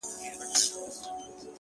په اور دي وسوځم، په اور مي مه سوځوه،